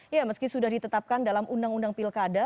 ya meski sudah ditetapkan dalam undang undang pilkada